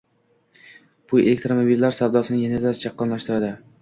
Bu elektromobillar savdosini yanada chaqqonlashtiradi.